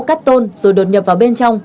cắt tôn rồi đột nhập vào bên trong